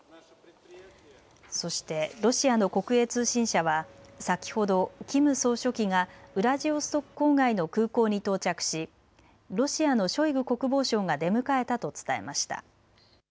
そしてロシアの国営通信社は先ほどキム総書記がウラジオストク郊外の空港に到着しロシアのショイグ国防相が出迎えたと伝えました。